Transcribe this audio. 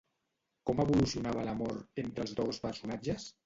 Com evolucionava l'amor entre els dos personatges?